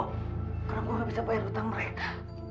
karena gue gak bisa bayar hutang mereka